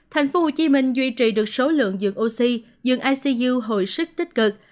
thành phố hồ chí minh duy trì được số lượng dường oxy dường icu hồi sức tích cực